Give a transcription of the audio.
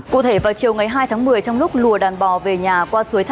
cụ thể vào chiều ngày hai tháng một mươi trong lúc lùa đàn bò về nhà qua suối